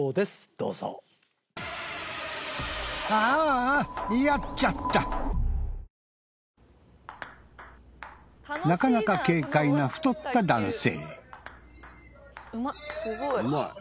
どうぞああなかなか軽快な太った男性